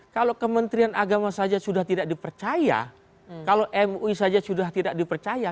kalau kementerian agama saja sudah tidak dipercaya kalau mui saja sudah tidak dipercaya